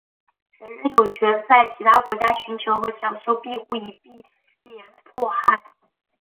人人有权在其他国家寻求和享受庇护以避免迫害。